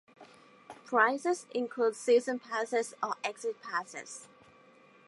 Prizes include season passes or exit passes.